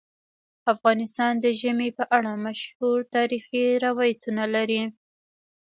افغانستان د ژمی په اړه مشهور تاریخی روایتونه لري.